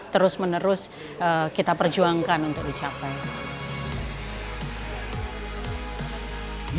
terus menerus kita perjuangkan untuk dicapai